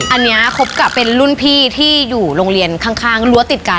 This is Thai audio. อันนี้คบกับเป็นรุ่นพี่ที่อยู่โรงเรียนข้างรั้วติดกัน